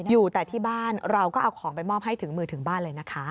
อยู่แต่ที่บ้านเราก็เอาของไปมอบให้ถึงมือถึงบ้านเลยนะคะ